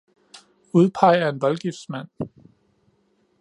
udpeger en voldgiftsmand